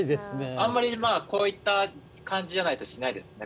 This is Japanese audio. あんまりこういった感じじゃないとしないですね